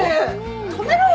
止めろよ！